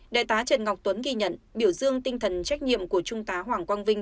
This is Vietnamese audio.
đại tá trần ngọc tuấn ghi nhận biểu dương tinh thần trách nhiệm của trung tá hoàng quang vinh